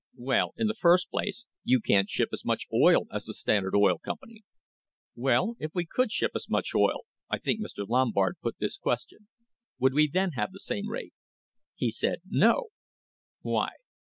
'Well, in the first place, you can't ship as much oil as the Standard Oil Company.' 'Well, if we could ship as much oil' — I think Mr. Lombard put this question — 'would we then have the same rate?' He said, 'No.' 'Why?'